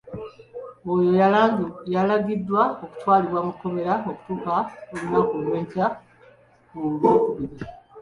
Ono yalagiddwa okutwalibwa mu kkomera okutuuka olunaku lw'enkya ku Lwokubiri.